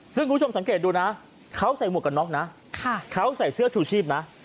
ซึ่งคุณผู้ชมสังเกตดูนะเขาใส่หมวกกันน็อกนะเขาใส่เสื้อชูชีพนะ